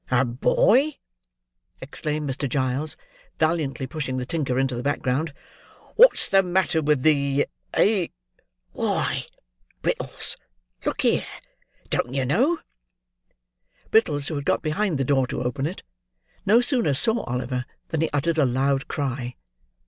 "A boy!" exclaimed Mr. Giles, valiantly, pushing the tinker into the background. "What's the matter with the—eh?—Why—Brittles—look here—don't you know?" Brittles, who had got behind the door to open it, no sooner saw Oliver, than he uttered a loud cry.